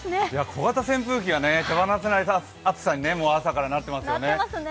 小型扇風機が手放せない暑さに朝からなってますね。